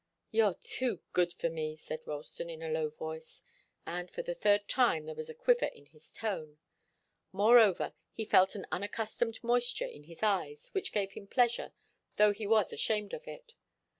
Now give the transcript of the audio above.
"You're too good for me," said Ralston, in a low voice, and for the third time there was a quiver in his tone. Moreover, he felt an unaccustomed moisture in his eyes which gave him pleasure, though he was ashamed of it.